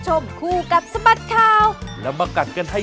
สวัสดีค่ะ